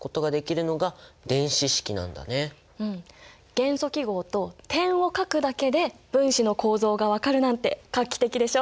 元素記号と点を書くだけで分子の構造が分かるなんて画期的でしょ。